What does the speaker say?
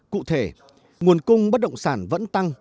cụ thể nguồn cung bất động sản vẫn tăng